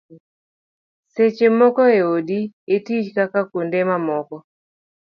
seche moko e odi, e tich kata kuonde mamoko